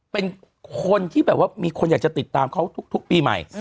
เป็นคนที่แบบว่ามีคนอยากจะติดตามเขาทุกปีใหม่